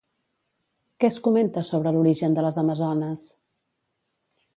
Què es comenta sobre l'origen de les amazones?